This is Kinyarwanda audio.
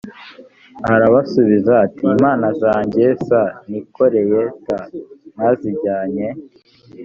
arabasubiza ati imana zanjye s nikoreye t mwazijyanye